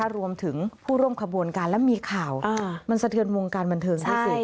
รวมถึงผู้ร่วมขบวนการและมีข่าวมันสะเทือนวงการบันเทิงที่สุด